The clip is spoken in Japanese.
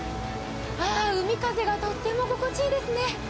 海風がとっても心地いいですね。